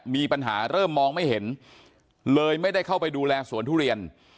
มีปัญหาเริ่มมองไม่เห็นเลยไม่ได้เข้าไปดูแลสวนทุเรียน